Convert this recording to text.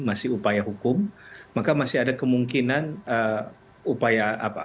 masih upaya hukum maka masih ada kemungkinan upaya apa